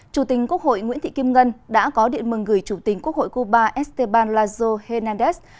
chủ tịch nước nguyễn thị kim ngân đã có điện mừng gửi chủ tịch nước cộng hòa cuba esteban lazo hernandez